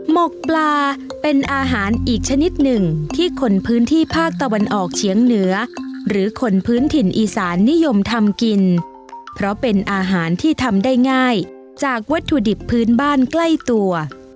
หกปลาเป็นอาหารอีกชนิดหนึ่งที่คนพื้นที่ภาคตะวันออกเฉียงเหนือหรือคนพื้นถิ่นอีสานนิยมทำกินเพราะเป็นอาหารที่ทำได้ง่ายจากวัตถุดิบพื้นบ้านใกล้ตัว